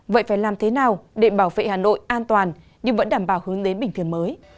vậy phải làm thế nào để bảo vệ hà nội an toàn nhưng vẫn đảm bảo hướng đến bình thường mới